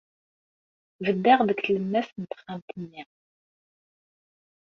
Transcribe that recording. Beddeɣ deg tlemmast n texxamt-nni.